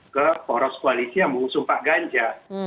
ke poros koalisi yang mengusung pak ganjar